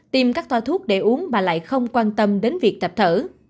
tìm các toa thuốc để uống mà lại không quan tâm đến việc tập thở